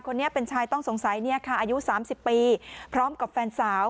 คนนี้เป็นชายต้องสงสัยเนี่ยค่ะอายุ๓๐ปีพร้อมกับแฟนสาว